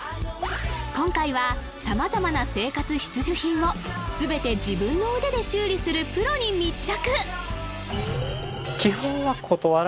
今回は様々な生活必需品を全て自分の腕で修理するプロに密着！